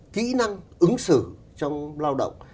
kỹ năng ứng xử trong lao động